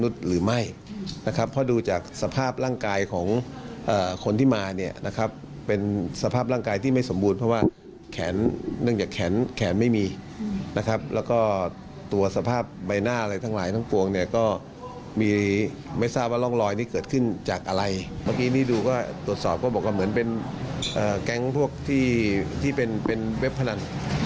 ตรวจสอบก็บอกว่าเหมือนเป็นแก๊งพวกที่เป็นเว็บพนัน